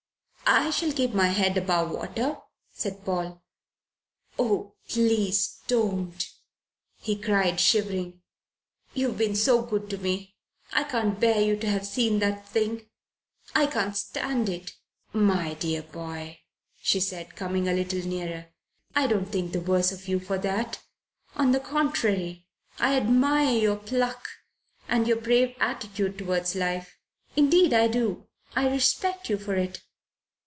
"I shall keep my head above water," said Paul. "Oh, please don't!" he cried, shivering. "You have been so good to me. I can't bear you to have seen that thing. I can't stand it." "My dear boy," she said, coming a little nearer, "I don't think the worse of you for that. On the contrary, I admire your pluck and your brave attitude towards life. Indeed I do. I respect you for it.